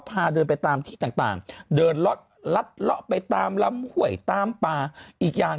พาเดินไปตามที่ต่างต่างเดินล็อตล็อตไปตามลำหวยตามปลาอีกอย่าง